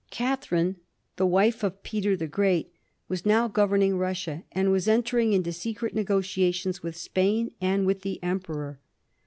Catherine, the wife of Peter the Great, was now governing Russia, and was entering into secret negotiations with Spain and with the Emperor.